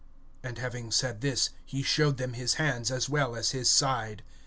(20)And having said this, he showed them his hands and his side.